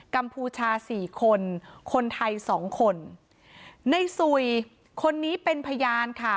กัมพูชา๔คนคนไทย๒คนในสุยคนนี้เป็นพยานค่ะ